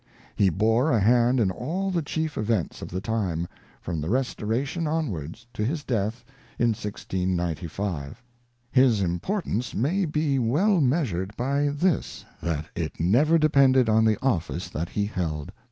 He bore a hand in all the chief events of the time, from the Restoration onwards, to his deaths in 1695. His importance may be well measured by this^ that it never depended on the office that he held.